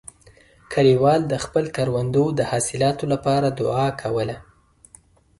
کلیوال د خپلو کروندو د حاصلاتو لپاره دعا کوله.